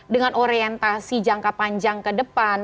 dengan orientasi jangka panjang ke depan